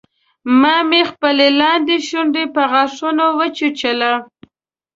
ما مې خپله لاندۍ شونډه په غاښونو وچیچله